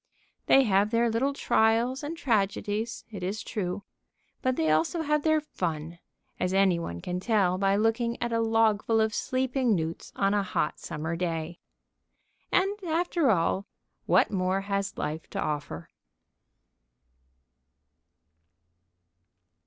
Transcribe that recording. They have their little trials and tragedies, it is true, but they also have their fun, as any one can tell by looking at a logful of sleeping newts on a hot summer day. And, after all, what more has life to offer?